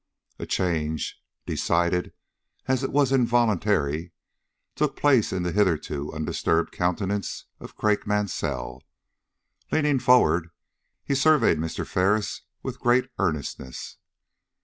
A change, decided as it was involuntary, took place in the hitherto undisturbed countenance of Craik Mansell. Leaning forward, he surveyed Mr. Ferris with great earnestness.